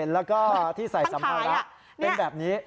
แล้วก็ที่ใส่สัมภาระเป็นแบบนี้